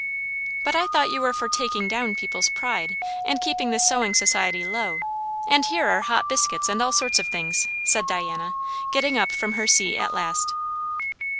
"But I thought you were for taking down people's pride, and keeping the sewing society low; and here are hot biscuits and all sorts of thing," said Diana, getting up from her seat at last.